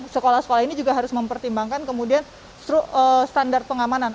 sekolah sekolah ini juga harus mempertimbangkan kemudian standar pengamanan